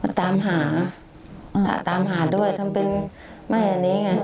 ตามหาตามหาด้วยทำเป็นไม่อันนี้ไง